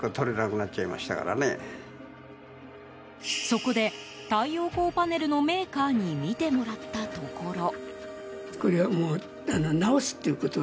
そこで太陽光パネルのメーカーに見てもらったところ。